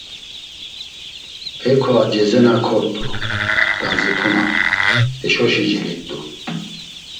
Heko a cezena kort̆u, dandzipuna, heşoşi celit̆u.